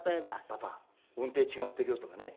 「パパ音程違ってるよ」とかね。